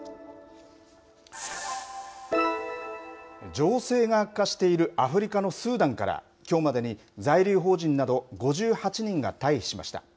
情勢が悪化しているアフリカのスーダンから、きょうまでに在留邦人など５８人が退避しました。